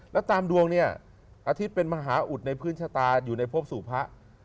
แล้วตามดวงเนี่ยอาทิตย์เป็นมหาอุดในพื้นชะตาอยู่ในพบสู่พระ